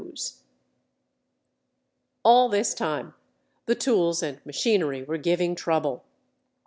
_" All this time, the tools and machinery were giving trouble.